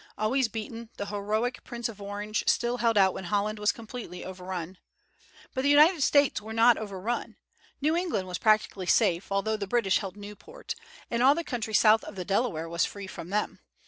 Always beaten, the heroic Prince of Orange still held out when Holland was completely overrun. But the United States were not overrun. New England was practically safe, although the British held Newport; and all the country south of the Delaware was free from them.